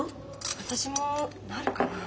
私もなるかな？